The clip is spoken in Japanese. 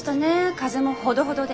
風もほどほどで。